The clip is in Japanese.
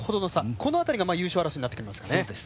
この辺りが優勝争いになってきますかね。